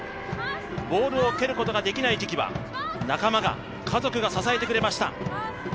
ボールを蹴ることができない時期は仲間が、家族が支えてくれました。